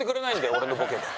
俺のボケで。